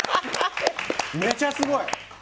めっちゃすごい！